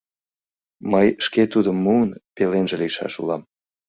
Мый, шке тудым муын, пеленже лийшаш улам!..